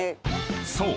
［そう。